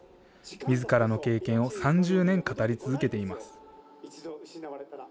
みずからの経験を３０年語り続けています。